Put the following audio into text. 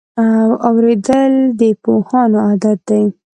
اورېدل د پوهانو عادت دی.